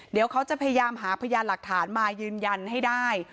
เดี๋ยวเขาจะพยายามหาพยานหลักฐานมายืนยันให้ได้